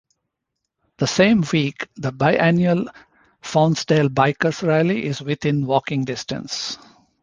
The same week, the bi-annual Faunsdale Biker Rally is within walking distance.